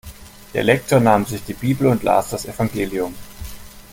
Der Lektor nahm sich die Bibel und las das Evangelium.